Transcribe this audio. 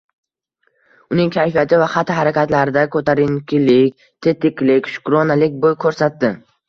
Uning kayfiyati va xatti-harakatlarida ko‘tarinkilik, tetiklik, shukronalik bo‘y ko‘rsatdi.